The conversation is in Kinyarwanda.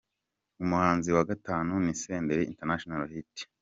Umuhanzi wa Gatanu ni Senderi International Hit.